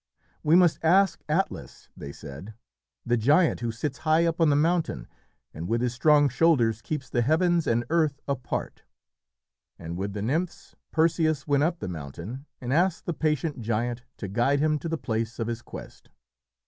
"We must ask Atlas," they said, "the giant who sits high up on the mountain and with his strong shoulders keeps the heavens and earth apart." And with the nymphs Perseus went up the mountain and asked the patient giant to guide him to the place of his quest.